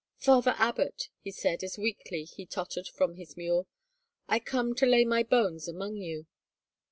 " Father Abbott," he said, as weakly he tottered from his mule, " I come to lay my bones among you."